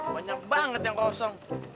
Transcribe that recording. banyak banget yang kosong